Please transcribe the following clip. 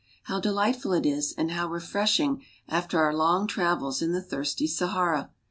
How delightful it is and how refreshing after our long travels in the thirsty Sahara